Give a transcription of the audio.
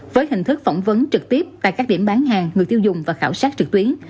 với hình thức phỏng vấn trực tiếp tại các điểm bán hàng người tiêu dùng và khảo sát trực tuyến